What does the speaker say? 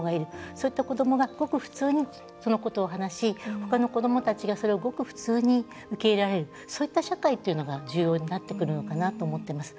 そういった子どもがごく普通にそのことを話し他の子どもたちがそれをごく普通に受け入れられるそういった社会というのが重要になってくるのかなと思っています。